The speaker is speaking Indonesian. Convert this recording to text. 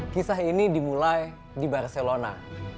kisah ini dimulai di barcelona